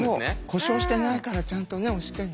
故障してないからちゃんと押してね。